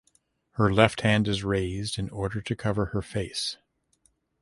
Her left hand is raised in order to cover her face.